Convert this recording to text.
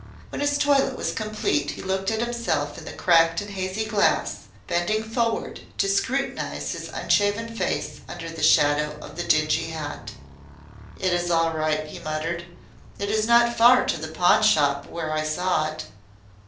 When his toilet was complete he looked at himself in the cracked and hazy glass, bending forward to scrutinize his unshaven face under the shadow of the dingy hat. "It is all right," he muttered. "It is not far to the pawnshop where I saw it."